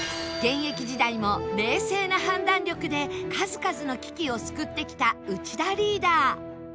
現役時代も冷静な判断力で数々の危機を救ってきた内田リーダー